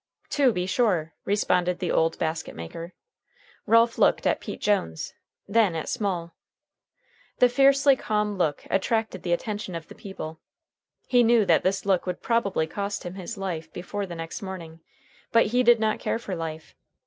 "To be sure," responded the old basket maker. Ralph looked at Pete Jones, then at Small. The fiercely calm look attracted the attention of the people. He knew that this look would probably cost him his life before the next morning. But he did not care for life.